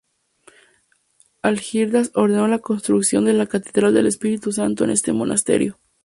Algirdas ordenó la construcción de la Catedral del Espíritu Santo en este monasterio.